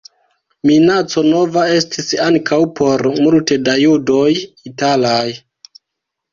Minaco nova estis ankaŭ por multe da judoj italaj.